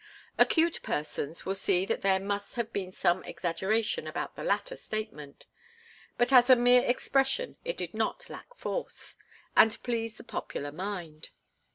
Acute persons will see that there must have been some exaggeration about the latter statement, but as a mere expression it did not lack force, and pleased the popular mind.